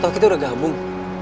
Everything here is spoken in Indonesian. tau kita udah gabung